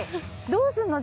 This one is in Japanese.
どうするの？